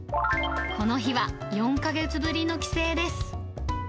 この日は４か月ぶりの帰省です。